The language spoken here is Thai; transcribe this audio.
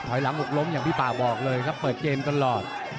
หลังหกล้มอย่างพี่ป่าบอกเลยครับเปิดเกมตลอด